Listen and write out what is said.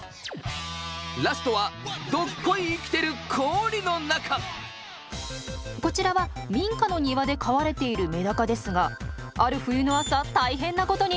ラストはこちらは民家の庭で飼われているメダカですがある冬の朝大変なことに。